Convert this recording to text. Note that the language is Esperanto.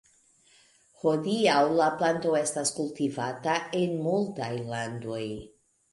Hodiaŭ la planto estas kultivata en multaj landoj.